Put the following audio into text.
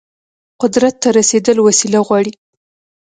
قدرت ته د رسیدل وسيله غواړي.